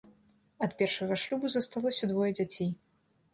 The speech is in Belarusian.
Ад першага шлюбу засталося двое дзяцей.